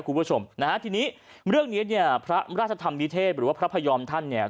คุณผู้ชมนะฮะทีนี้เรื่องเนี้ยพระราชธรรมนิเทศหรือว่าพระพยอมท่านเนี่ย